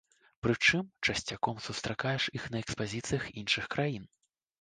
Прычым, часцяком сустракаеш іх на экспазіцыях іншых краін.